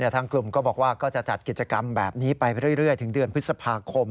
ทางกลุ่มก็บอกว่าก็จะจัดกิจกรรมแบบนี้ไปเรื่อยถึงเดือนพฤษภาคม